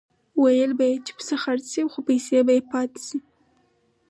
ویل به یې چې پسه خرڅ شي خو پیسې به یې پاتې شي.